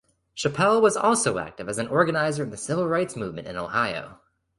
Chappelle was also active as an organizer in the civil rights movement in Ohio.